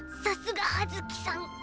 さすが葉月さん。